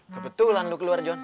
kebetulan lo keluar jon